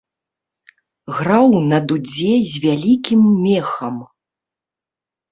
Граў на дудзе з вялікім мехам.